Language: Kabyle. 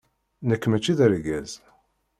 Nekk mačči d argaz!